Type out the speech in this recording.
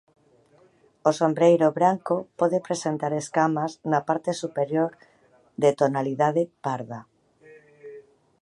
O sombreiro branco pode presentar escamas na parte superior de tonalidade parda.